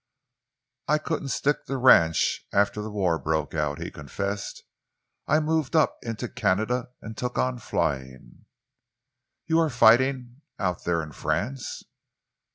"I couldn't stick the ranch after the war broke out," he confessed. "I moved up into Canada and took on flying." "You are fighting out there in France?"